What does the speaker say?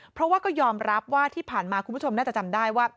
เพราะว่าก็ยอมรับว่าที่ผ่านมาคุณผู้ชมน่าจะจำได้ว่า